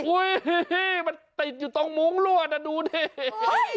อุ้ยมันติดอยู่ตรงมุ้งรวดน่ะดูดิ